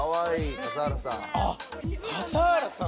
笠原さん